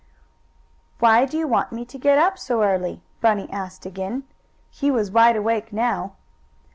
"Why do you want me to get up so early?" Bunny asked again. He was wide awake now.